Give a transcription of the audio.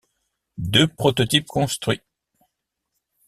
Deux prototypes construits.